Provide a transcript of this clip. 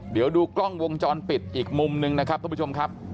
เดี๋ยวดูกล้องวงจรปิดอีกมุมนึงนะครับทุกผู้ชมครับ